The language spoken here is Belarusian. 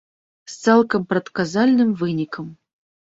З цалкам прадказальным вынікам.